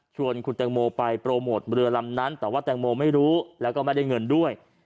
คุณแตงโมไปโปรโมทเรือลำนั้นแต่ว่าแตงโมไม่รู้แล้วก็ไม่ได้เงินด้วย